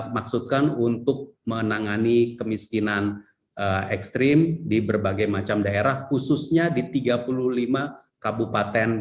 maksudkan untuk menangani kemiskinan ekstrim di berbagai macam daerah khususnya di tiga puluh lima kabupaten